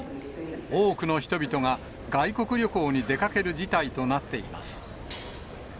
多くの人々が外国旅行に出かける事態となっています。